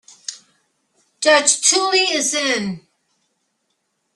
Judge Tully is in.